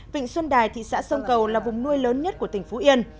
vịnh xuân đài thị xã sông cầu là vùng nuôi lớn nhất của tỉnh phú yên